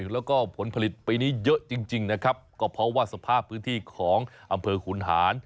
แล้วก็ผลผลิตปีนี้เยอะจริงนะครับก็เพราะว่าสภาพพื้นที่ของอำเภอขุนหาร